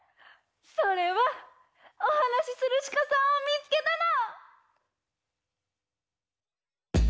それはおはなしするしかさんをみつけたの！